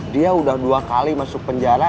dia udah dua kali masuk penjara